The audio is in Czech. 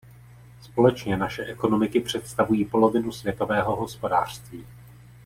Společně naše ekonomiky představují polovinu světového hospodářství.